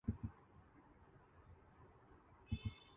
کیونکہ جو ہپناٹزم کے ہر ہیں